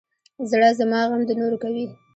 زړه زما غم د نورو کوي.